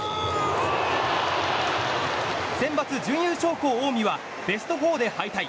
センバツ準優勝校、近江はベスト４で敗退。